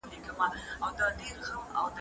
څېړنې ښيي چې بدخواړه ستونزې زیاتوي.